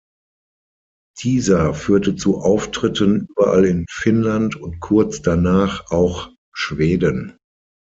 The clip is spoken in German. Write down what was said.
Dieser führte zu Auftritten überall in Finnland und kurz danach auch Schweden.